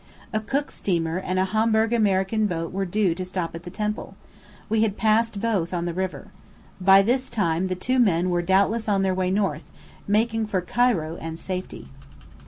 A Cook steamer and a Hamburgh American boat were due to stop at the temple. We had passed both on the river. By this time the two men were doubtless on their way north, making for Cairo and safety.